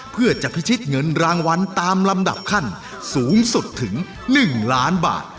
เพื่อจะพิชิตเงินรางวัลตามลำดับขั้นสูงสุดถึง๑ล้านบาท